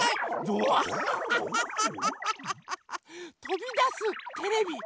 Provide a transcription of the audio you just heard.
とびだすテレビ。